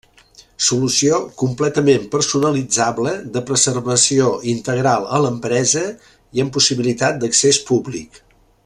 Solució completament personalitzable de preservació integral a l’empresa i amb possibilitat d’accés públic.